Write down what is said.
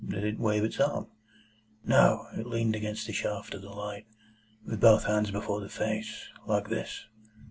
"Did it wave its arm?" "No. It leaned against the shaft of the light, with both hands before the face. Like this."